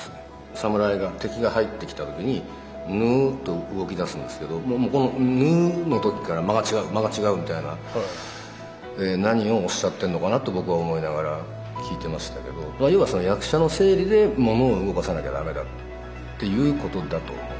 侍が敵が入ってきた時にぬっと動きだすんですけどこのぬっの時から間が違う間が違うみたいな何をおっしゃってんのかなと僕は思いながら聞いてましたけど要は役者の生理で物を動かさなきゃ駄目だっていうことだと思います。